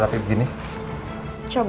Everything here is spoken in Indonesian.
aku mau similar's